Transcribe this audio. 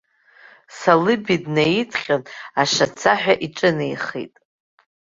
Салыбеи днаидҟьан, ашацаҳәа иҿынеихеит.